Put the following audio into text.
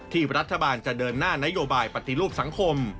ที่รัฐบาลจะเดินหน้านโยบายปฏิรูปสังคม